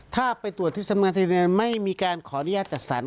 ถ้าไปตรวจที่สำเนาทะเบียนไม่มีการขออนุญาตจัดสรร